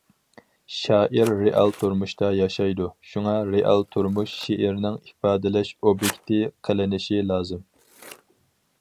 شائىر رېئال تۇرمۇشتا ياشايدۇ، شۇڭا رېئال تۇرمۇش شېئىرنىڭ ئىپادىلەش ئوبيېكتى قىلىنىشى لازىم.